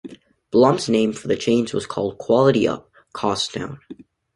Blum's name for the change was called Quality up, Costs down.